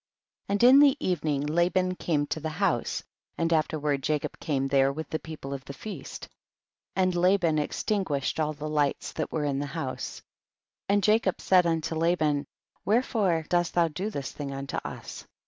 2. And in the evening Laban came to the house, and afterward Jacob came there with the people of the feast, and Laban extinguished all the lights that were there in the house. 3. And Jacob said unto Laban, wherefore dost thou do this thing unto us